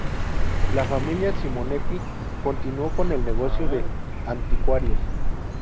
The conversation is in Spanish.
La familia Simonetti continuó con el negocio de anticuarios.